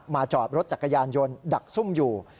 จอดรถจักรยานยนต์ดักซุ่มอยู่